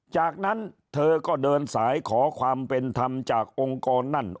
จากนั้นเธอก็เดินสายขอความเป็นธรรมจากองค์กรนั่น